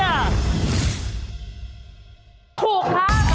ถูกครับ